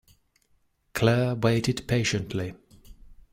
Claire waited patiently.